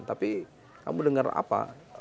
tapi kamu dengar apa